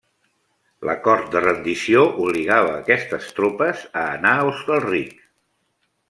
L'acord de rendició obligava a aquestes tropes a anar a Hostalric.